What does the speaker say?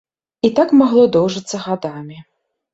І так магло доўжыцца гадамі.